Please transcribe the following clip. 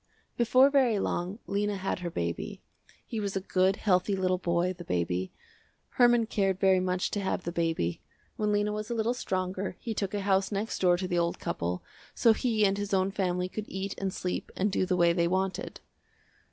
Before very long, Lena had her baby. He was a good, healthy little boy, the baby. Herman cared very much to have the baby. When Lena was a little stronger he took a house next door to the old couple, so he and his own family could eat and sleep and do the way they wanted.